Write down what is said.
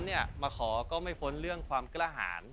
เพราะฉะนั้นมาขอก็ไม่พ้นเรื่องความกล้าหาร